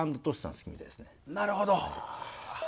なるほど。